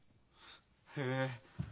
へえ。